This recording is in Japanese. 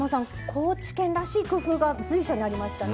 高知県らしい工夫が随所にありましたね。